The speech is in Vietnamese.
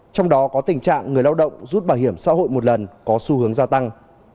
trong đó có tình trạng người lao động rút bảo hiểm xã hội một lần có xu hướng gia tăng